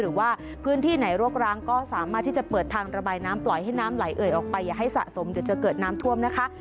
หรือว่าพื้นที่ไหนรกร้างก็สามารถที่จะเปิดทางระบายน้ำปล่อยให้น้ำไหลเอ่ยออกไปอย่าให้สะสมเดี๋ยวจะเกิดน้ำท่วมนะคะ